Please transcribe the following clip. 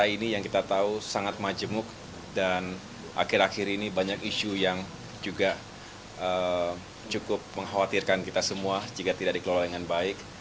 ini yang kita tahu sangat majemuk dan akhir akhir ini banyak isu yang juga cukup mengkhawatirkan kita semua jika tidak dikelola dengan baik